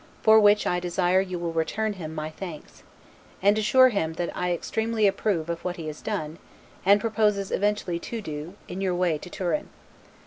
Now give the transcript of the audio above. for which I desire you will return him my thanks, and assure him that I extremely approve of what he has done, and proposes eventually to do, in your way to Turin.